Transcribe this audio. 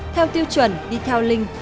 theo tiêu chuẩn đi theo linh